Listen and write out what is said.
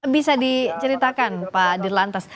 bisa diceritakan pak dirlantas